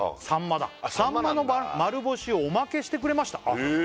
まだ「さんまの丸干しをおまけしてくれました」